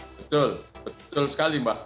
betul betul sekali mbak